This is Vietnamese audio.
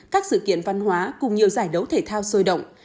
các sự kiện văn hóa cùng nhiều giải đấu thể thao sôi động